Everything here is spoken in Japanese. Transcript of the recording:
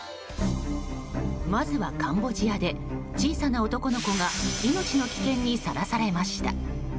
まずはカンボジアで小さな男の子が命の危険にさらされました。